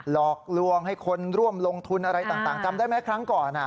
หลอกลวงให้คนร่วมลงทุนอะไรต่างจำได้ไหมครั้งก่อน